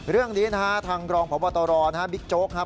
เรื่องนี้นะฮะทางรองพบตรนะฮะบิ๊กโจ๊กครับ